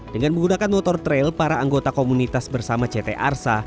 dengan menggunakan motor trail para anggota komunitas bersama ct arsa